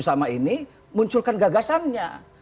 sama ini munculkan gagasannya